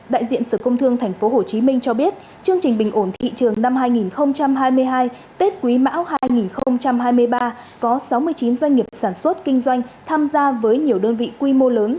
đại diện sở công thương tp hcm cho biết chương trình bình ổn thị trường năm hai nghìn hai mươi hai tết quý mão hai nghìn hai mươi ba có sáu mươi chín doanh nghiệp sản xuất kinh doanh tham gia với nhiều đơn vị quy mô lớn